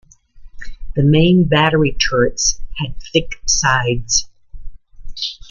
The main battery turrets had thick sides.